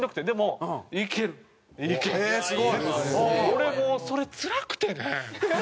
俺もうそれつらくてね。